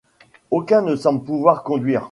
Aucun ne semble pouvoir conduire.